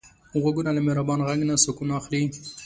غوږونه له مهربان غږ نه سکون اخلي